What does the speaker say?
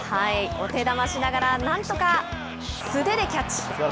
お手玉しながら、なんとか素手でキャッチ。